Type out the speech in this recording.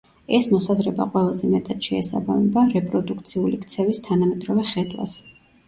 ეს მოსაზრება ყველაზე მეტად შეესაბამება რეპროდუქციული ქცევის თანამედროვე ხედვას.